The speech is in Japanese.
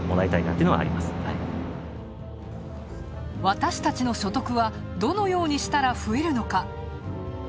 私たちの所得は、どのようにしたら増えるのか。